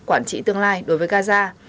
quản trị tương lai đối với gaza